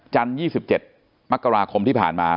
จันทร์๒๗มกราคมที่ผ่านมา